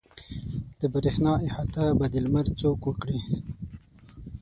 د برېښنا احاطه به د لمر څوک وکړي.